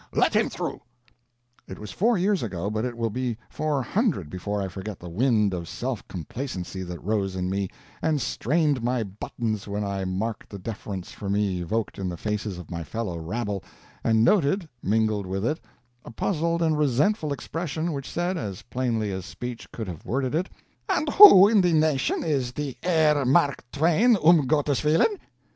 Let him through!" It was four years ago; but it will be four hundred before I forget the wind of self complacency that rose in me, and strained my buttons when I marked the deference for me evoked in the faces of my fellow rabble, and noted, mingled with it, a puzzled and resentful expression which said, as plainly as speech could have worded it: "And who in the nation is the Herr Mark Twain _um gotteswillen?